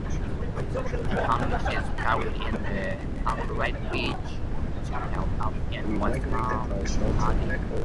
Aytoun is buried in the Ambulatory Chapels of in Westminster Abbey.